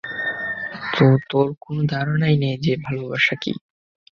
তো, তোর কোনো ধারণাই নেই যে, ভালোবাসা কী?